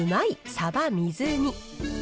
さば水煮。